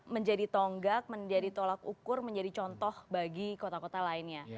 menjadi tonggak menjadi tolak ukur menjadi contoh bagi kota kota lainnya